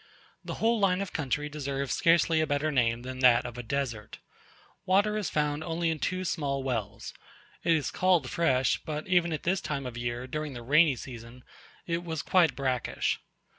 The whole line of country deserves scarcely a better name than that of a desert. Water is found only in two small wells; it is called fresh; but even at this time of the year, during the rainy season, it was quite brackish.